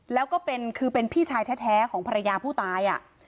แล้วก็เป็นคือเป็นพี่ชายแท้ของภรรยาผู้ตาย